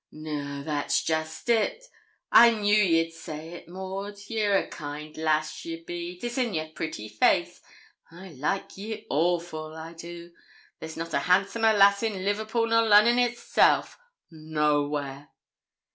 'No, that's jest it. I knew ye'd say it, Maud. Ye're a kind lass ye be 'tis in yer pretty face. I like ye awful, I do there's not a handsomer lass in Liverpool nor Lunnon itself no where.'